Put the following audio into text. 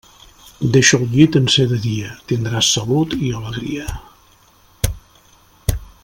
Deixa el llit en ser de dia: tindràs salut i alegria.